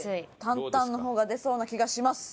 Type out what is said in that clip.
担々の方が出そうな気がします。